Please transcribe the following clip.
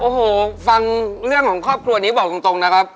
โอ้โหฟังเรื่องของครอบครัวนี้บอกตรงนะครับ